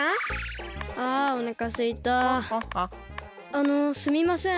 あのすみません。